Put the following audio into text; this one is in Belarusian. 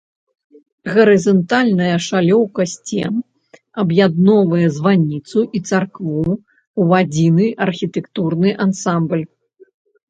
Гарызантальная шалёўка сцен аб'ядноўвае званіцу і царкву ў адзіны архітэктурны ансамбль.